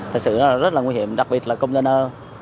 thật sự rất là nguy hiểm đặc biệt là công doanh ơ